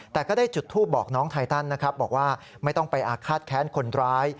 แต่ก็ได้จุดทูปบอกน้องไทตันนะครับบอกว่าไม่ต้องไปอาฆาตแค้นคนร้าย